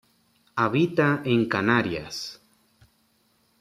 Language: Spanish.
Habita en Canarias.